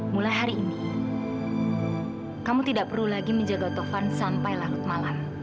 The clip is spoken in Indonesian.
mulai hari ini kamu tidak perlu lagi menjaga tovan sampai laut malam